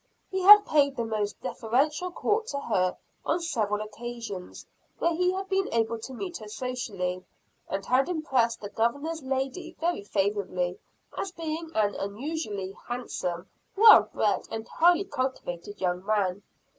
He had paid the most deferential court to her on several occasions where he had been able to meet her socially; and had impressed the Governor's lady very favorably, as being an unusually handsome, well bred and highly cultivated young man.